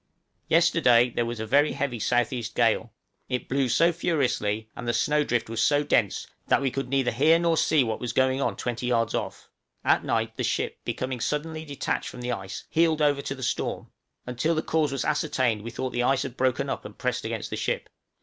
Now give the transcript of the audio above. Yesterday there was a very heavy S.E. gale; it blew so furiously, and the snow drift was so dense, that we could neither hear nor see what was going on twenty yards off; at night the ship, becoming suddenly detached from the ice, heeled over to the storm; until the cause was ascertained we thought the ice had broken up and pressed against the ship.